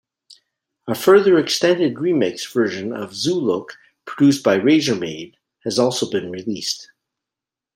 A further extended remix version of "Zoolook", produced by Razormaid!, has also been released.